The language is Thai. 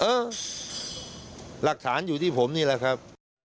เออหลักฐานอยู่ที่ผมนี่แหละครับ